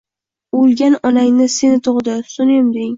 O'lgan onang seni tug'di, sutini emding